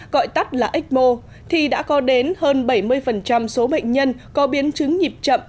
gọi tắt là ecmo thì đã có đến hơn bảy mươi số bệnh nhân có biến chứng nhịp chậm